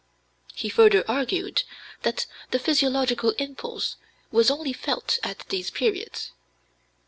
He further argued that the physiological impulse was only felt at these periods.